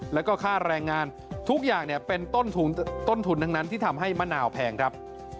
แล้วก็ค่าแรงงานทุกอย่างเป็นต้นทุนทั้งนั้นที่ทำให้มะนาวแพงครับ